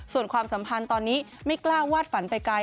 ส่วนความสัมพันธ์ตอนนี้ไม่กล้าวาดฝันไปไกล